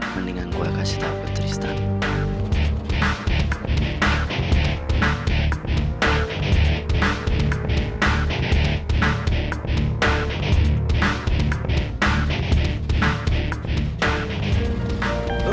mendingan gue kasih tau tristan